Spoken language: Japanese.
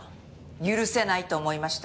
許せないと思いました。